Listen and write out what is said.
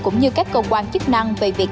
cũng như các cơ quan chức năng về việc